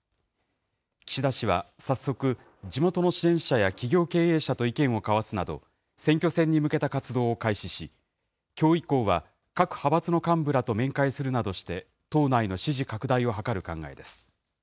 岸田氏は早速、地元の支援者や企業経営者と意見を交わすなど、選挙戦に向けた活動を開始し、きょう以降は各派閥の幹部らと面会するなどして、党内の支持拡大を図る考えです。